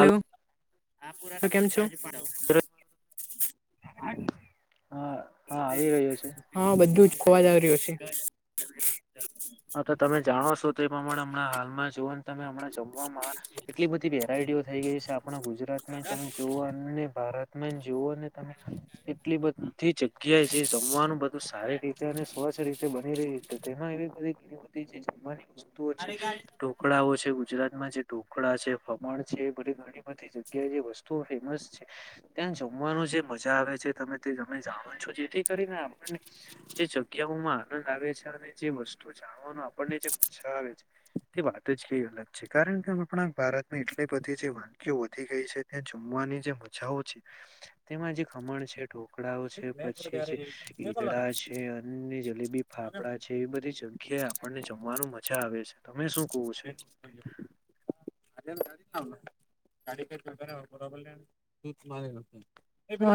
હાલ કેમ છો? [unintelligible] હા હા આવી રહ્યો છે. હા, બધું જ ખોવા જ રહ્યું છે. હા, તો તમે જાણો છો તે પ્રમાણે હમણાં હાલમાં જોવા તમે હમણાં જમવામાં એટલી બધી વેરાયટીઓ થઈ ગઈ છે આપણા ગુજરાત માં, તમે જોઓ. તને ભારતમાં જ જુઓ ને તમે એટલી બધી જગ્યાએ, જે જમવાનું બધું સારી રીતે અને સ્વચ્છ રીતે બની રહ્યું છે, તેમાં એવી બધી બધી જે જમવાની વસ્તુઓ છે. ઢોકળાઓ છે ગુજરાતમાં, જે ઢોકળા છે, ફમણ છે, એ બધુ મા ઘણી બધી જગ્યાએ જે વસ્તુઓ ફેમસ છે. ત્યાં જમવાનું જે મજા આવે છે, તમે તમે જાવ છો, જેથી કરીને આપણને જે જગ્યાઓમાં આનંદ આવે છે અને જે વસ્તુ જાણવાનો આપણને જે મજા આવે છે એ વાત જ કંઈ અલગ છે. કારણ કે આપણાં ભારતમાં એટલી બધી જે વાનગીઓ વધી ગઈ છે. તે જમવાની જે મજાઓ છે, તેમાં જે ખમણ છે ઢોકળાઓ છે, પછી ઈદડા છે, અને જલેબી-ફાફડા છે, એવી બધી જ જગ્યા આપણને જમવાનું મજા આવે છે. તમે શું કવો છો [unintelligible]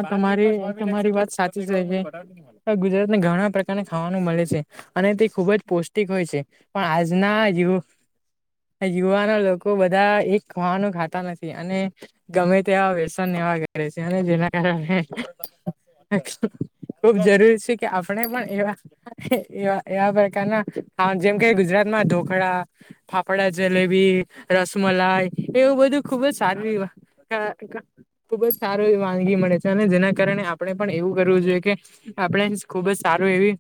તમારી તમારી વાત સાચી છે. ગુજરાત ને ઘણા પ્રકારને ખાવાનું મળે છે. અને તે ખુબ જ પૌષ્ટિક હોય છે. પણ આજના યુ યુવાના લોકો બધા એક ખવાનું ખાતા નથી. અને ગમે તેવા વ્યસન એવા કરે છે, અને જેના કારણે ખુબ જરૂરી છે કે આપણે પણ એવા એવા એવા પ્રકારના જેમ કે ગુજરાત માં ઢોકળા ફાફડા જલેબી રસમલાઈ એવું બધું ખુબ જ સારું હા ખુબ જ સારો એ વાનગી મળે છે અને જેના કારણે આપણે પણ એવું કરવું જોઈએ કે આપણે ખુબજ સારું એવી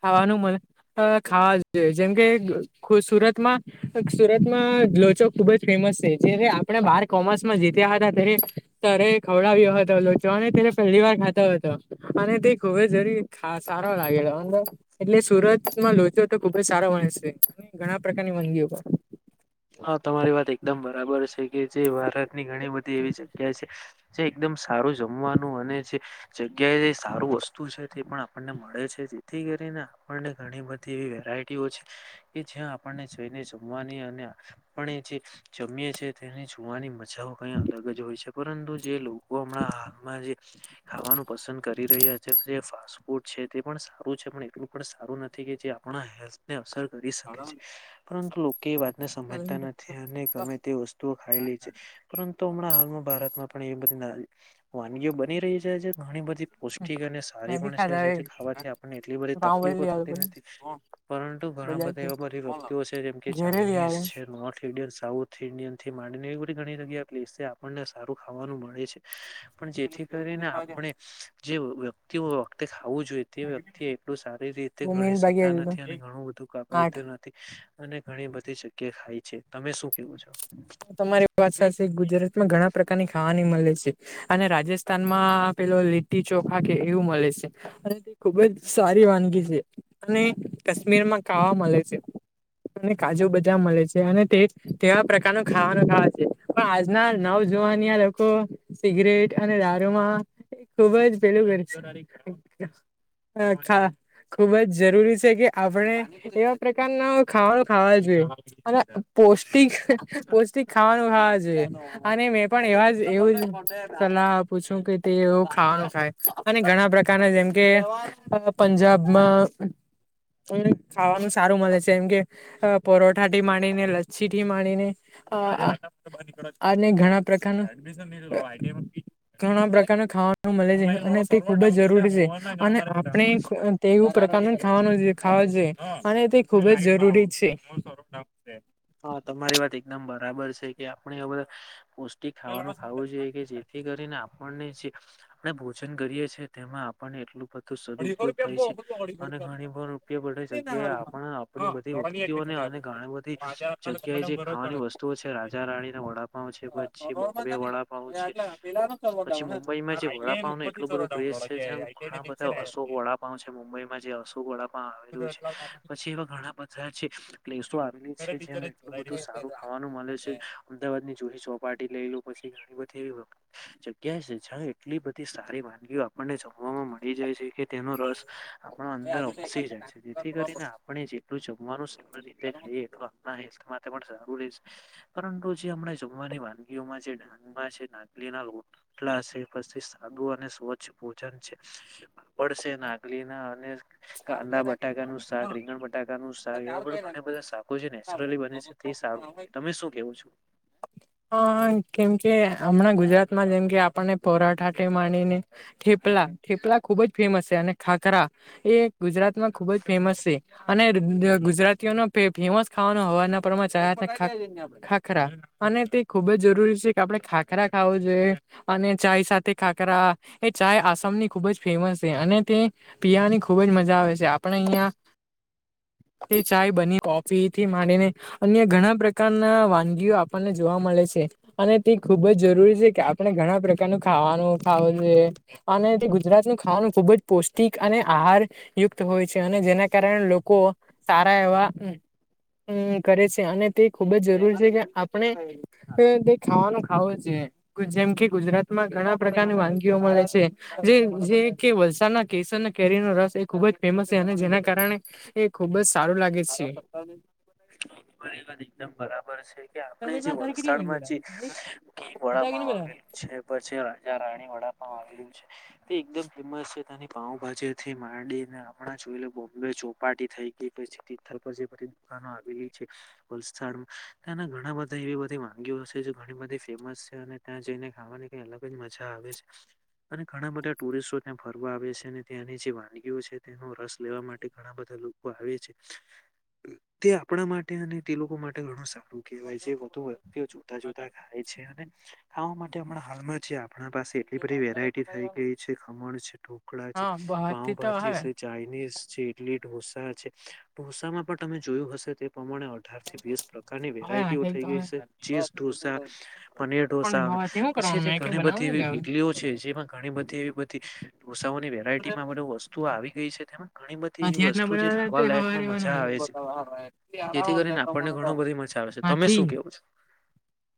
ખાવાનું મળ ખાવા જોઈએ. જેમ કે સુરતમાં સુરતમાં લોચો ખુબ જ ફેમસ છે જે આપણે બાર કોમર્સ માં જીત્યા હતા તેને તરે ખવડાવ્યો હતો લોચો અને તેને પહેલી વાર ખાતો હતો. અને તે ખુબ જરી ખા સારો લાગેલો હતો. એટલે સુરતમાં લોચો તો ખુબ જ સારા હોય છે અને ઘણા પ્રકારની વાનગી ઓ હા તમારી વાત એકદમ બરાબર છે કે જે ભારતની ઘણી બધી એવી જગ્યા છે જે એકદમ સારું જમવાનું અને જે જગ્યાએ સારું વસ્તુ છે તે પણ આપણને મળે છે. થી કરીને આપણને ઘણી બધી એવી વેરાયટીઓ છે. કે જ્યાં આપણને જોઈને જમવાની અને પણ એ જે જમીએ છે તેને જોવાની મજાઓ કઈ અલગ જ હોય છે. પરંતુ જે લોકો હમણાં હાથમાં જે ખાવાનું પસંદ કરી રહ્યા છે જે ફાસ્ટ ફૂડ છે તે પણ સારું છે પણ એટલું પણ સારું નથી કે જે આપણા હેલ્થને અસર કરી શકે છે પરંતુ લોકો એ વાત ને સમજતા પણ નથી અને ગમે તે વસ્તુઓ ખાઈ લે છે પરંતુ હમણાં હાલમાં ભારતમાં પણ એ બધી વાનગીઓ બની રહી છે જે ઘણી બધી પૌષ્ટિક અને મે સારી બી પણ છે ખાધા જેથી ખાવાથી આપણને એટલી બધી પાઉભાજી તકલીફો લઈ થતી આવ્યો નથી. પરંતુ ઘણા બધા બજારથી એવા બધી વ્યક્તિઓ છે જેમ કે ઘેરે લઈ ચાાઈનીઝ આવ્યો છે નોર્થ ઇન્ડિયન, સાઉથ ઇન્ડિયન થી માંડીને એવી બધી ઘણી જગ્યા પ્લેસ છે આપણને સારું ખાવાનું મળે છે. પણ જેથી કરીને આપણે જે વ્યક્તિઓ વખતે ખાવું જોઈએ તે વ્યક્તિ એટલું સારી રીતે હું મીન ગણી ભાગી શકતા નથી અને ઘણું બધું કાપી આઠ નથી. અને ઘણી બધી જગ્યા ખાય છે તમે શું કેવું છો? તમારી પાસા છે ગુજરાત માં ઘણા પ્રકારની ખાવાની મળે છે અને રાજસ્થાન માં પેલો લીટી ચોખા કે એવું મળે છે. અને તે ખુબ જ સારી વાનગી છે અને કાશ્મીર માં ખાવા મળે છે. અને કાજુ બધા મળે છે અને તે તેવા પ્રકાર બધાનું ખાવાનું ખાવા છે પણ આજના નવ જવાનીયા લોકો સિગરેટ અને દારૂમાં ખુબ જ પેલું કરે છે. [unintelligible] ખુબ જ જરૂરી છે કે આપણે એવા પ્રકારના ખાવા નું ખાવા જોઈએ. અને પૌષ્ટિક પૌષ્ટિક ખાવાનું ખાવા છે અને મેં પણ એવા એવું સલાહ પૂછું કે તે એવું ખાવાનું થાય અને ઘણા પ્રકારના જેમ કે પંજાબમાં પંજાબ ખાવાનું સારું મળે છે એમ કે પરોઠા માંડી ને, લચ્છી થી માંડીને અ અને ઘણા પ્રકારનું ઘણા પ્રકારના ખાવાનું મળે છે અને તે ખુબ જ જરૂરી છે અને આપણે તેવું પ્રકાર નું ખાવાનું જોઈએ ખાવા જોઈએ અને તે ખુબ જ જરૂરી છે. હા તમારી વાત એકદમ બરાબર છે કે આપણે હવે પૌષ્ટિક ખાવાનું ખાવું જોઈએ કે જે થી કરીને આપણને જે આપણે ભોજન કરીએ છીએ તેમાં આપણને એટલું બધું સદ્ઉપયોગ થાય છે અને ઘણી વાર ઉપયોગ વડે જગ્યાએ આપણા આપણી વચ વ્યક્તિઓને અને ઘણી બધી જગ્યાએ જે ખાવાની વસ્તુઓ છે રાજા રાણીના વડાપાવ છે પછી બોમ્બે વડા પાવ છે પછી મુંબઈમાં જે વડાપાવ નો એટલો બધો ક્રેઝ છે જે ઘણા બધા અશોક વડાપાવ છે મુંબઈમાં જે અશોક વડાપ આવેલું છે. એવા ઘણા બધા છે પ્લેસો આવેલી છે જે્યાં એટલું બધું સારું ખાવાનું મળે છે. અમદાવાદ ની ચૂરી ચોપાટી લઈ લો પછી ગાડી બધીવી જગ્યા છે જ્યાં એટલી બધી સારી વાનગીઓ આપણને જાણવાવામાં મળી જાય છે કે તેનો રસ આપણો અંદર અસીી જાય છે. જેથી કરીને આપણે જેટલું જમવાનું સરળ રીતે ખાઈએ એટલુ આપણા હેલ્થ માટે પણ સાર રહેશે પરંતુ જે હમણાં જમવાની વાનગીઓમાં જે ડાંગમાં છે નાગલી ના રોટલા છે પછી સાદું અને સ્વચ્છ ભોજન છે પડશે નાગલી ના અને કાંદા બટાકા નું શાક રીંગણ બટાકાનું શાક એવા પણ ઘણા બધા શાકો છે ને નેચરલી બને છે તે સારું તમે શું કેવુ છો હ કેમ કે હમણાં ગુજરાતમાં જેમ કે આપણને પરાઠા થી માંડી ને થેપલા થેપલા ખુબ જ ફેમસ છે અને ખાખરા એ ગુજરાતમાં ખુબ જ ફેમસ છે. અને ગુજરાતીઓ નો ફેમસ ખાવાનો હવારના પોર માં ચા હાથે ખાખરા અને તે ખૂબ જ જરૂરી છે કે આપણે ખાખરા ખાવું જોઈએ અને ચાય સાથે ખાખરા એ ચાય આસામની ખુબ જ ફેમસ છે અને તે પીવાની ખુબ જ મજા આવે છે આપણે અહિયાં તે ચાય બની કોફી થી માંડીને અન્ય ઘણા પ્રકારના વાનગીઓ આપણને જોવા મળે છે. અને તે ખુબ જ જરૂરી છે કે આપણે ઘણા પ્રકારનું ખાવાનું ખાવું જોઇએ અને તે ગુજરાત નું ખાવાનું ખુબ જ પૌષ્ટિક અને આહાર યુક્ત હોય છે અને જેના કારણે લોકો સારા એવા હમ કરે છે અને તે ખુબ જ જરૂરી છે કે આપણે તે ખાવાનું ખાવુ જોઈએ જેમ કે ગુજરાતમાં ઘણા પ્રકારની વાનગીઓ મળે છે. જે જે કે વલસાડના કેસર કેરીનો રસ ખુબ જ ફેમસ છે અને જેના કારણે એ ખુબ જ સારું લાગે છે. તમારી વાત એકદમ બરાબર છે. કે આપણે તમે જે તારે કેટલી મિનિટ વલસાડમાં જે કિંગ બતા કે વડાપાઉ બધા આવેલું છે. પછી રાજા રાણી વડાપાઉ આવેલુ છે. તે એકદમ ફેમસ છે તેની પાઉભાજીથી માંડીને આપણા જોઈ બોમ્બે ચોપાટી થઈ એ પછી તિથલ પર જે બધી દુકાનો આવેલી છે. વલસાડ ત્યાં ના ઘણા બધા એવી બધી વાગીઓ છે જે ઘણી બધી ફેમસ છે અને ત્યાં જઈને ખાવાની કઈ અલગ જ મજા આવે છે. અને ઘણા બધા ટુરિસ્ટો ત્યાં ફરવા આવે છે અને ત્યાંની જે વાનગીઓ છે તેનો રસ લેવા માટે ઘણા બધા લોકો આવે છે તે આપણા માટે અને તે લોકો માટે ઘણું સારું કહેવાય છે વધુ વધુ તે જોતા જોતા ખાય છે અને ખાવા માટે હમણાં હાલમાં જે આપણા પાસે એટલી બધી વેરાયટી થઈ ગઈ છે ખમણ છે ઢોકળા છે હા બહારથી તો પાઉભાજી હવે છે ચાઇનીઝ છે ઇડલી ઢોસા છે ઢોસામાં પણ તમે જોયું હશે તે પ્રમાણે હવે [unintelligible] વીસ પ્રકારની હવે વેરાયટીઓ આઠ થઈ તો ગઈ છે ચીઝ ઢોસા પનીર પણ ઢોસા હવાથી હું પછી કરવાનું તે મેં કે ઘણી બનાવ બધી ને એવી કે ઇડલીઓ છે જેમાં ઘણી બધી એવી બધી ભૂસાઓની વેરાયટીમાં બધી વસ્તુઓ આવી ગઈ છે તેમાં ઘણી બધી એવી હાથી વસ્તુ જે ખાવા લાયકમાં મજા આવે છે. હા જેથી કરીને આપણને ઘણો બધી મજા આવે છે તમે હાથી શું કેવું છો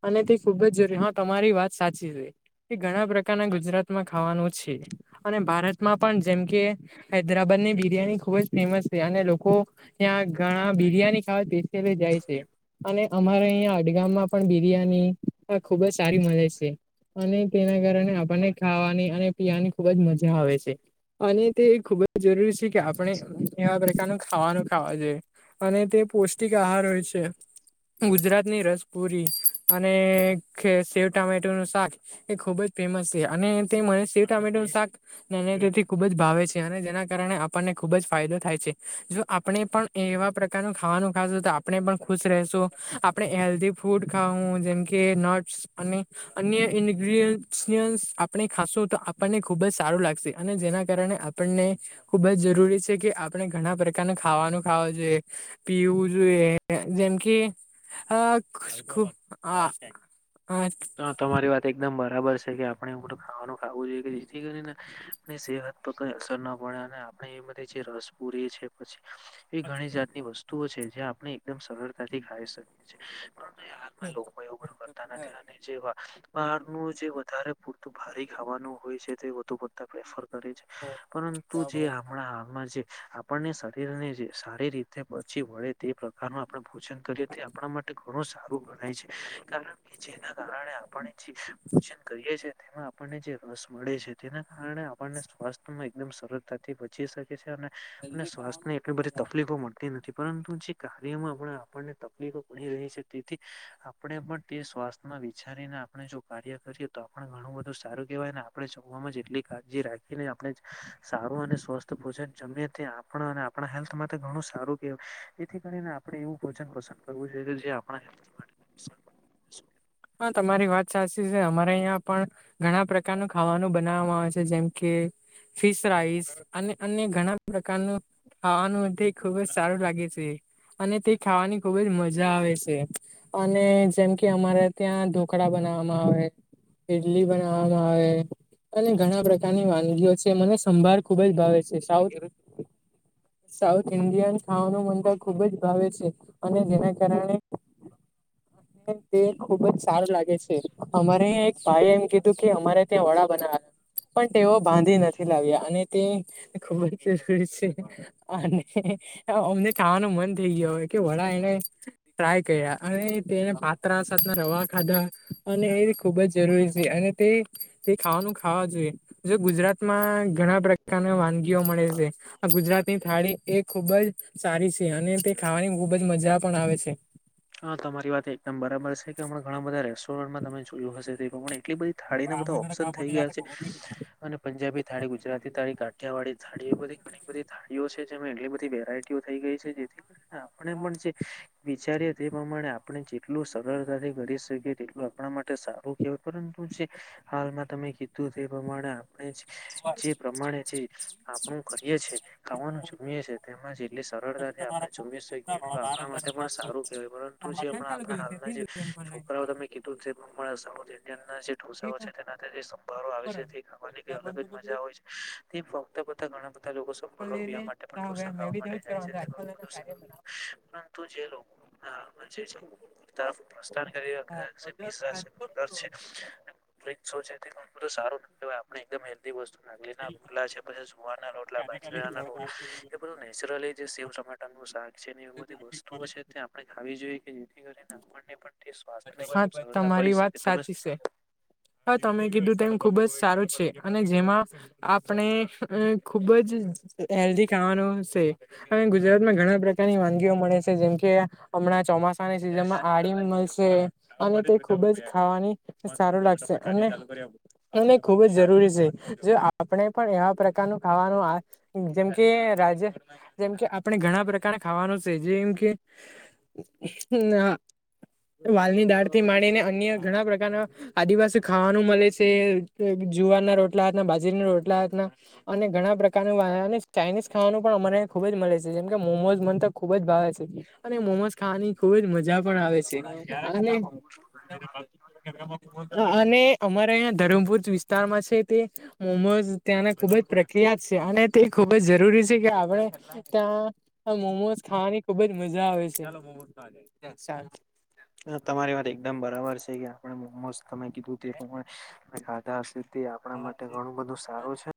અને તે ખુબ જ જરૂરી હા તમારી વાત સાચી છે. એ ઘણા પ્રકારના ગુજરાતમાં ખાવાનું છે અને ભારતમાં પણ જેમ કે હૈદરાબદ ની બિરિયાની ખુબ જ ફેમસ છે અને લોકો ત્યાં ઘણા બિરિયાની ખાવા [unintelligible] જાય છે. અને અમારે અહીં હડગામ માં પણ બિરિયાની ખુબ જ સારી મળે છે. અને તેના કારણે આપણને ખાવાની અને પીવાની ખુબ જ મજા આવે છે. અને તે ખુબ જ જરૂરી છે. કે આપણે એવા પ્રકારનું ખાવાનું ખાવા જોઈએ અને તે પૌષ્ટિક આહાર હોય છે. ગુજરાતની રસપુરી અને સેવ ટામેટોનું શાક એ ખુબ જ ફેમસ છે અને તે મને સેવ ટામેટો નું શાક તેથી ખુબ જ ભાવે છે અને જેના કારણે આપ આપને ખુબ જ ફાયદો થાય છે જો આપણે પણ એવા પ્રકારનું ખાવાનું ખાશું તો આપણે પણ ખુશ રહેશું આપણે હેલ્ધી ફૂડ ખાવું જેમકે નટસ અને અન્ય ઈનગ્રીડિયન્સ આપણે ખાશું તો આપણને ખુબ જ સારું લાગશે અને જેના કારણે આપણને ખુબ જ જરૂરી છે કે આપણે ઘણા પ્રકારના ખાવાનું ખાવો જોઈએ. પીવું જોઈએ જેમ કે આ ખૂબ હા. હા. તમારી વાત એકદમ બરાબર છે કે આપણે એવું તો ખાવાનું ખાવું જોઈએ કે જેથી કરી ને હે ની સેહત પર કઈ અસર ના પડે અને આપણે એ બધ જે રસ પૂરી છે પછી એ ઘણી જાતની વસ્તુઓ છે જે આપણે એકદમ સરળતાથી ખાઈ શકીએ છીએ કોઈ ઉગડું કરતા નથી બાર જે વધારે પૂરતું ભારે ખાવાનું હોય છે તે વધુતા પ્રેફર કરે છે પરંતુ જે હમણાં હાલમાં જે આપણને શરીરને જે સારી રીતે બચી વળે તે પ્રકારનું આપણે ભોજન કરીએ આપણા માટે ઘણું સારું ગણાય છે કારણ કે જે કારણે આપણે જે પૂજન કરીએ છેએ તેમાં આપણને જે રસ મળે છે તેના કારણે આપણને સ્વાસ્થ્યમાં એકદમ સરળતાથી જી શકે છે અને સ્વાસ્થ્ય ને એટલી બધી તકલીફો મળતી નથી પરંતુ જે કાર્યમાં પણ આપણને તકલીફો પડી રહી છે તેથી આપણે પણ તે સ્વાસ્થ્ વિચારીને આપણે જો કાર્ય કરીએ તો આપણુ ઘણું બધું સારું કેહેવાય ને આપણે જમવામાં એટલી કાજી રાખીએ એ આપણે સારું અને સ્વસ્થ ભોજન જમએ તે આપણા અને આપણા હેલ્થમાં ઘણું સારું કે તેથી કરીને આપણે એવું ભોજન પસંદ કરવું જોઈએ કે જે આપણા હેલ્થ માટે હા તમારી વાત સાચી છે અમારે અહંયા પણ ઘણા પ્રકારનું ખાવાનું બનાવવામાં આવે છે જેમ કે ફિશ રાઈસ અને અન્ય ઘણા પ્રકારનું ખાવા નુએ તે ખુબ જ સારું લાગે છે અને તે ખાવાની ખુબ જ મજા આવે છે અને જેમ કે અમારા ત્યાં ઢોકળા બનાવવામાં આવે ઈડલી બનાવવામાં આવે અને ઘણા પ્રકારની વાનગીઓ છે મને સંભાળ ખુબ જ ભાવે છે સાઉથ [inaudible] સાઉથ ઇન્ડિયન ખાવાનું મન ખુબ જ ભાવે છે અને જેના કારણે તે ખુબ જ સારું લાગે છે અમારે એક ભાઈ એમ કીધું કે અમારે ત્યાં વડા બન્યા હતા પણ તેઓ બાંધી નથી લાવ્યા અને તે ખુબ જ જરૂરી છે અને [unintelligible] અમને ખાહવાનું મન થઈ ગયો હો કે વડા એને ટ્રાય કર્યા અને તેના પાત્રા સાથેના રવા ખાધા અને એ ખૂબ જ જરૂરી છે અને તે તે ખાવાનું ખાવા જોઈએ જો ગુજરાતમાં ઘણા પ્રકારના વાનગીઓ મળે છે. આ ગુજરાતની થાળી એ ખુબ જ સારી છે અને તે ખાવાની ખુબ જ મજા પણ આવે છે હ તમારી વાત એકદમ બરાબર છે કે હણા ઘણા બધા રેસ્ટોરન્ટમાં તમે જોયું હશે તે પણ એટલી બધી થાળી ના બધા ઓપ્શન થઈ ગયા છે. અને પંજાબી થાળી ગુજરાતી થાળી કાઠિયાવાડથાળીળ એ બધી- ઘણી બધી થાળીઓ છે જેમાં એટલી બધી વેરાયટીઓ થઈ ગઈ છે જેથી પણ જે વિચારી તે પ્રમાણે આપણે જેટલું સરળતાથી કરી શકીએ તેટલું આપણા માટે સારું કહેવાય પરંતુ જે હાલમાં તમે કીધું તે પ્રમાણે આપણે જે પ્રમાણે જે આપણું કરીયે છે ખાવાનું જમીએ છે તેમાં જ એટલી સરળતાથી આપણે જમએ કેટલું આપણા માટે પણ સારું પરંતુ જે હમણાં આપણા હાલના જે છોકરાઓ તમે કીધું છે સાઉથ ઇન્ડિયન ના છે ઢોસાઓ છે તેના જે સંભવારો આવે છે તે ખાવાની કઈ અલગ જ મજા હોય છે તે ફક્ત બધા ઘણા બધા લોકો [unintelligible] [unintelligible] તેબધું સારું એકદમ હેલ્વસ્તુ નાખલી રોટલા છે પછી જુવાર ના રોટલા બાજરા ના રોટલા એ બધું નેચરલી જે સેવ ટમાટરનું શાક છે ને એવ બધી વસ્તુઓ છે. આપણે ખાવી જોઈએ કે જેથી કરીને આપણને પણ તે સ્વાસ્થ્યમાં હા એકદમ સરળતા તમારી પડી વાત શકે ત સાચી છે હા તમે કીધું તેમ ખુબ જ સારું છે અને જેમાં આપણે ખુબ જ હેલ્ધી ખાવાનું છે. અને ગુજરાત માં ઘણા પ્રકારની વાનગીઓ મળે છે જેમ કે હમણાં ચોમાસાની સિઝનમાં આડી મળશે અને તે ખુબ જ ખાવાની સારું લાગશે અને અને ખુબ જ જરૂરી છે જો આપણે પણ એવા પ્રકારનું ખાવાનું જેમકે રાજ જેમ કે આપણે ઘણા પ્રકારના ખાવાનું છે જેમ કે વાલની દાળ થી માંડીને અન્ય ઘણા પ્રકારના આદિવાસી ખાવાનું મળે છે જુવારના રોટલા હાથના બાજરીના રોટલા હાથના અને ઘણા પ્રકારનું અને ચાઇનીઝ ખાવાનું પણ અમાને ખુબ જ મળે છે જેમ કે મોમોઝ મન તો ખુબ જ ભાવે છે. અને મોમજ ખાની ખુબ જ મજા પણ આવે છે. અને અમારા અં ધરમપુર વિ વિસ્તાર છે તે મોમોઝ ત્યાંને ખુબ પ્રખ્યાત શે અને તે ખુબ જ જરૂરી શે કે આપણે ત્યાં મોમોઝ ખાવાની ખુબ જ મજા આવે છે- - હા તમારી વાત એકદમ બરાબર છે કે આપણે મોમોસ તમે કીધું તે - ખાધા તે આપણા માટે ઘણું બધું સારું છે.